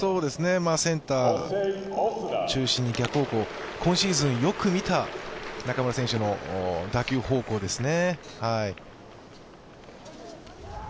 センター中心に逆方向、今シーズン、よく見た中村選手の打球方向ですね。